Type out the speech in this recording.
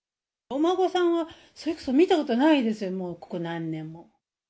お孫さんは、それこそ見たことないですよ、ここ何年も。